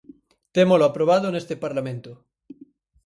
Témolo aprobado neste Parlamento.